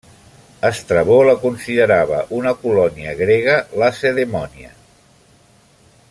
Estrabó la considerava una colònia grega lacedemònia.